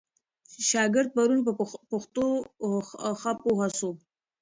شاګرد پرون په پښتو ښه پوه سو.